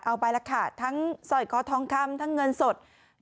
เอาไปแล้วค่ะทั้งสร้อยคอทองคำทั้งเงินสด